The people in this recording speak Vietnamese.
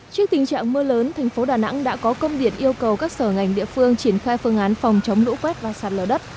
trước tình trạng mưa lớn thành phố đà nẵng đã có công điện yêu cầu các sở ngành địa phương triển khai phương án phòng chống lũ quét và sạt lở đất